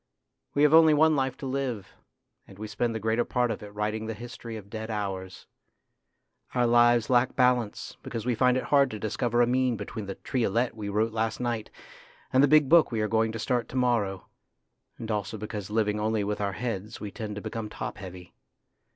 We have only one life to live, and we spend the greater part of it writing the history of dead hours. Our lives lack balance because we find it hard to dis cover a mean between the triolet we wrote last night and the big book we are going to start to morrow, and also because living only with 256 THE GREAT MAN our heads we tend to become top heavy.